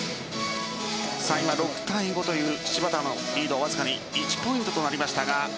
今、６対５という芝田のリードわずかに１ポイントとなりました。